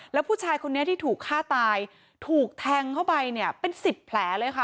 แล้วผู้ชายคนนี้ที่ถูกฆ่าตายถูกแทงเข้าไปเนี่ยเป็นสิบแผลเลยค่ะ